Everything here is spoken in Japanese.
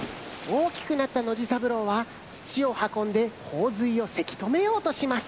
おおきくなったノジさぶろうはつちをはこんでこうずいをせきとめようとします。